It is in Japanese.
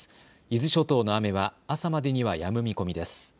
伊豆諸島の雨は朝までにはやむ見込みです。